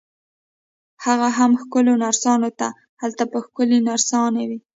هغه هم ښکلو نرسانو ته، هلته به ښکلې نرسانې وي.